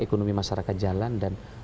ekonomi masyarakat jalan dan